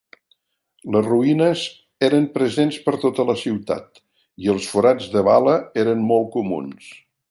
Les ruïnes eren presents per tota la ciutat, i els forats de bala eren molt comuns.